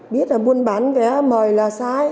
biết là buôn bán vé mời là sai